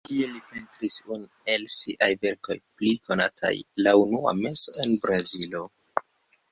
Tie li pentris unu el siaj verkoj pli konataj: "La unua meso en Brazilo".